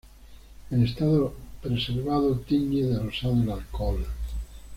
En estado preservado tiñe de rosado el alcohol.